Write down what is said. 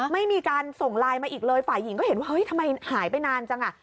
ไม่มีการส่งไลน์มาอีกเลยฝ่ายหญิงก็เห็นว่าเฮ้ยทำไมหายไปนานจังอ่ะ